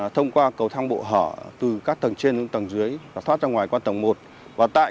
thông qua cầu thang bộ hở từ các tầng trên xuống tầng dưới và thoát ra ngoài qua tầng một và tại